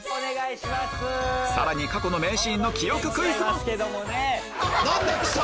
さらに過去の名シーンの記憶クイズも何だ貴様！